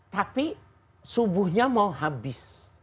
tapi subuhnya mau habis